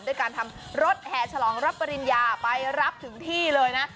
ด้วยการทำรถแห่ฉลองรับปริญญาไปรับถึงที่เลยนะ